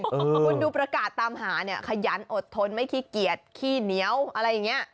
คุณดูประกาศตามหาเนี่ยขยันอดทนไม่ขี้เกียจขี้เหนียวอะไรอย่างนี้